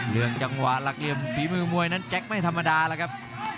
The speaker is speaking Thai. เรื่องจังหวะรักเยี่ยมฝีมือมวยนั้นแจ๊คไม่ธรรมดาเลยครับ